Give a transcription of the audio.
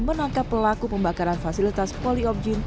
menangkap pelaku pembakaran fasilitas poliopjine